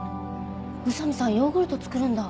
宇佐見さんヨーグルト作るんだ。